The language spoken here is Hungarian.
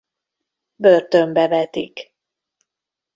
Börtönbe vetik.